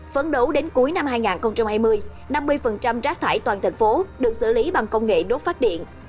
phấn đấu đến cuối năm hai nghìn hai mươi năm mươi rác thải toàn thành phố được xử lý bằng công nghệ đốt phát điện